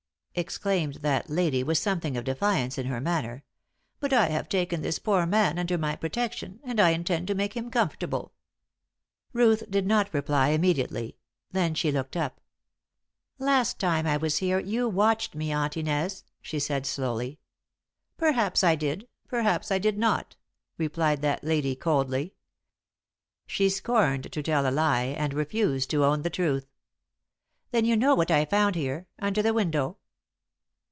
exclaimed that lady, with something of defiance in her manner. "But I have taken this poor man under my protection, and I intend to make him comfortable." Ruth did not reply immediately. Then she looked up: "Last time I was here you watched me, Aunt Inez," she said, slowly. "Perhaps I did perhaps I did not," replied that lady, coldly. She scorned to tell a lie, and refused to own the truth. "Then you know what I found here under the window?"